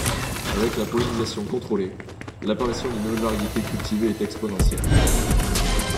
Avec la pollinisation contrôlée, l'apparition de nouvelles variétés cultivées est exponentielle.